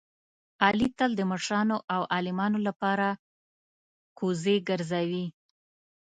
علي تل د مشرانو او عالمانو لپاره کوزې ګرځوي.